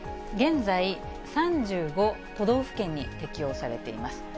現在、３５都道府県に適用されています。